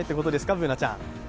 Ｂｏｏｎａちゃん。